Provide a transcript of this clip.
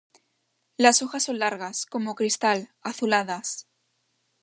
Las hojas son largas, como cristal, azuladas.